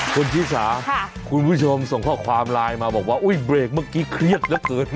คุณพิษาค่ะคุณผู้ชมส่งข้อความไลน์มาบอกว่าอุ๊ยเมื่อกี้เครียดเกิน